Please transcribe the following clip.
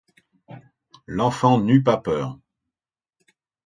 L’enfant n’eut pas peur.